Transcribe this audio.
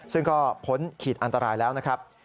ซึ่งก็พ้นขีดอันตรายแล้วนะครับ